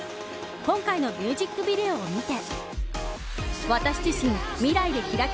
今回のミュージックビデオを見て。